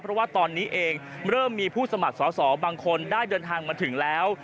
เพราะว่าตอนนี้เองเริ่มมีผู้สมัครสอสอบางคนได้เดินทางมาถึงแล้ว